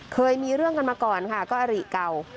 เคยมีเรื่องกันมาก่อนค่ะก็อริเก่า